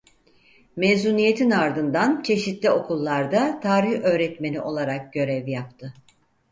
Mezuniyetin ardından çeşitli okullarda tarih öğretmeni olarak görev yaptı.